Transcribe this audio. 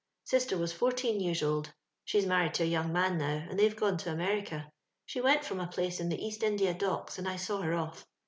Sister was fourteoi jrears old (she's married to a young man now,* and they've gone to America; she went from a place in the East India Docks, and I saw her off).